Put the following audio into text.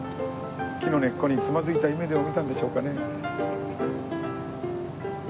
木の根っこにつまずいた夢でも見たんでしょうかね？